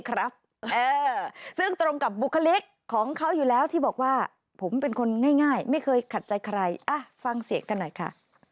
ครับเออซึ่งตรงกับบุคลิกของเขาอยู่แล้วที่บอกว่าผมเป็นคนง่ายไม่เคยขัดใจใครอ่ะฟังเสียงกันหน่อยค่ะ